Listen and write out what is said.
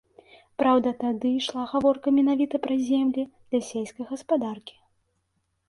Праўда, тады ішла гаворка менавіта пра землі для сельскай гаспадаркі.